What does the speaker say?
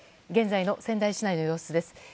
現在の仙台市内の様子です。